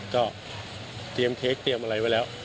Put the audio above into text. ก็เตรียมเค้กเตรียมอะไรไว้แล้ว